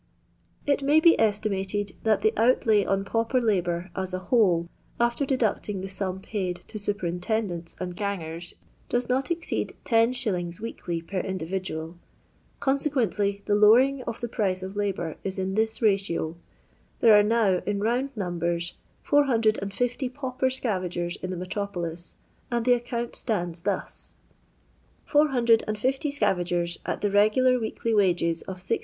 It may be estimated that the outlay on pauper labour, as a whole, after deducting the sum paid to superintendents and gangers, does not exceed 10s. weekly per individmu ; consequently the lowering of the price of Ubour is in this ratio : There are now, in round numbers, 450 pauper scavogers in the metropolis, and the account stands thus :— Yearly. 450 Bca\'agers, at the regular weekly wages of 16s.